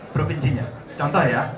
provinsinya contoh ya